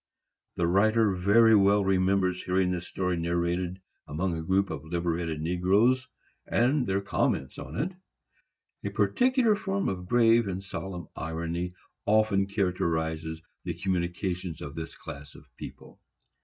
The writer very well remembers hearing this story narrated among a group of liberated negroes, and their comments on it. A peculiar form of grave and solemn irony often characterizes the communications of this class of people.